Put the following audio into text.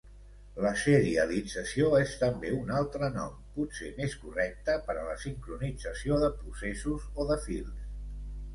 La serialització és també un altre nom, potser més correcte, per a la sincronització de processos o de fils.